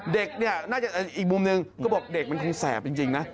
เด็กเนี่ยน่าจะอีกมุมหนึ่งก็บอกเด็กมันคงแสบจริงนะ